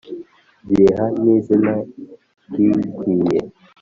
Bayiha n'izina riyikwiye